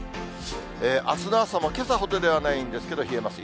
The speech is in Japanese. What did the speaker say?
あすの朝もけさほどではないんですけれども、冷えます。